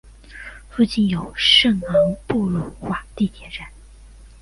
附近有圣昂布鲁瓦地铁站。